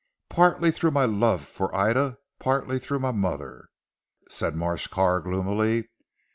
"Partly through my love for Ida, partly through my mother," said Marsh Carr gloomily.